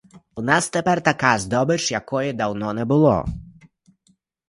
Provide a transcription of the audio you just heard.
У нас тепер така здобич, якої давно не було.